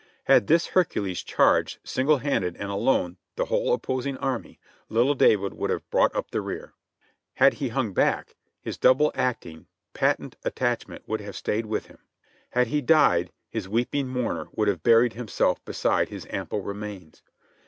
Had this Hercules charged singled handed and alone the whole opposing army, little David would have brought up the rear. Had he hung back, his double acting, patent attach ment would have stayed with him. Had he died, his weeping mourner would have buried himself beside his ample remains.